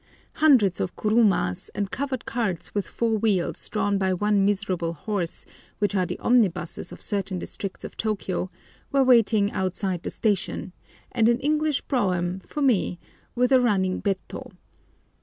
Hundreds of kurumas, and covered carts with four wheels drawn by one miserable horse, which are the omnibuses of certain districts of Tôkiyô, were waiting outside the station, and an English brougham for me, with a running betto.